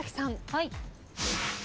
はい。